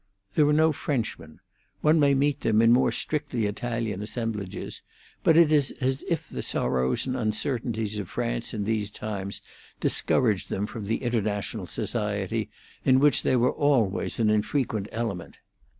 There were no Frenchmen; one may meet them in more strictly Italian assemblages, but it is as if the sorrows and uncertainties of France in these times discouraged them from the international society in which they were always an infrequent element.